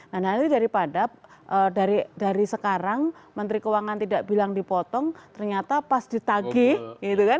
nah nanti daripada dari sekarang menteri keuangan tidak bilang dipotong ternyata pas ditagih gitu kan